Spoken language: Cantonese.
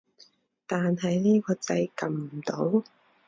但係呢個掣撳唔到